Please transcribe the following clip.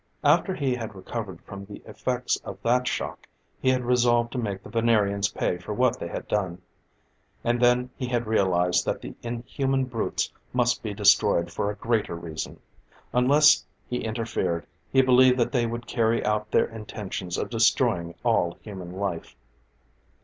After he had recovered from the effects of that shock, he had resolved to make the Venerians pay for what they had done. And then he had realized that the inhuman brutes must be destroyed for a greater reason: unless he interfered, he believed that they would carry out their intention of destroying all human life.